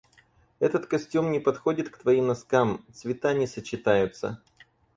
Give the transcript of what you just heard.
Этот костюм не подходит к твоим носкам. Цвета не сочетаются.